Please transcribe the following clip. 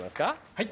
はい。